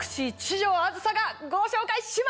城あずさがご紹介します！